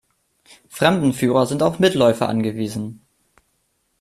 Fremdenführer sind auf Mitläufer angewiesen.